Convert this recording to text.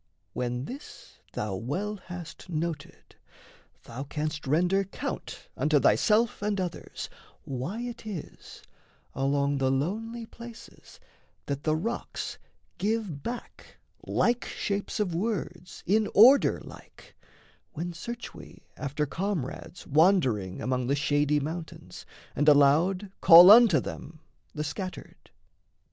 When this Thou well hast noted, thou canst render count Unto thyself and others why it is Along the lonely places that the rocks Give back like shapes of words in order like, When search we after comrades wandering Among the shady mountains, and aloud Call unto them, the scattered.